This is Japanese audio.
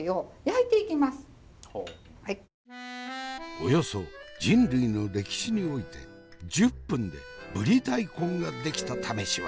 およそ人類の歴史において１０分でぶり大根が出来たためしはない。